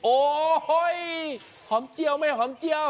โอ้โหหอมเจียวไม่หอมเจียว